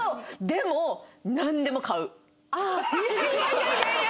いやいやいや。